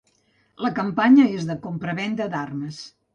La campanya és de compravenda d'armes.